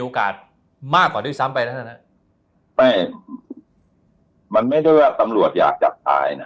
โอกาสมากกว่าด้วยซ้ำไปนะมันไม่ได้ว่าตำรวจอยากจับตายนะ